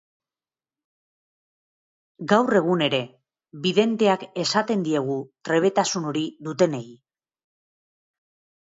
Gaur egun ere, bidenteak esaten diegu trebetasun hori dutenei.